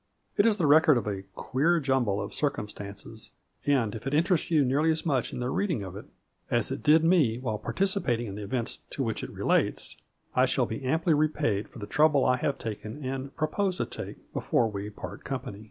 It is the record of a queer jumble of circumstances, and if it interests you nearly as much in the reading of it as it did me while participating in the events to which it relates, I shall be amply re paid for the trouble I have taken and propose to take before we part company.